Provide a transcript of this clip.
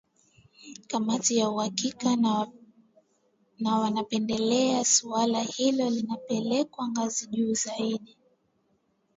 kamati ya uhakiki na wanapendelea suala hilo lipelekwe ngazi ya juu zaidi